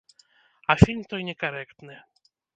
А фільм той некарэктны.